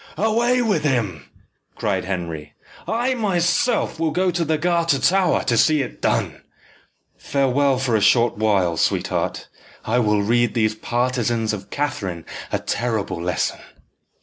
"Away with him!" cried Henry. "I myself will go to the Garter Tower to see it done. Farewell for a short while, sweetheart. I will read these partisans of Catherine a terrible lesson."